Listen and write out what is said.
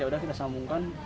yaudah kita sambungkan